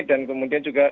dan kemudian juga